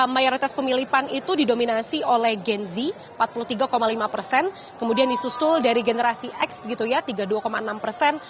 mayoritas pemilih pan itu didominasi oleh gen z empat puluh tiga lima persen kemudian disusul dari generasi x gitu ya tiga puluh dua enam persen